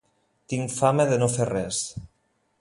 Tinc fama de no fer res.